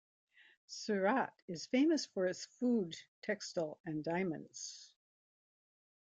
Surat is famous for its food, textile, and diamonds.